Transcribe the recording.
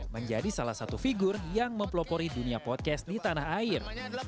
menjadi salah satu figur yang mempelopori dunia podcast di tanah air